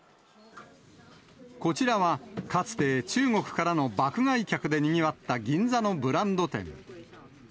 こちらは、かつて中国からの爆買い客でにぎわった銀座のブランド店。